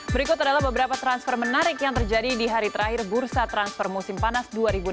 berikut adalah beberapa transfer menarik yang terjadi di hari terakhir bursa transfer musim panas dua ribu enam belas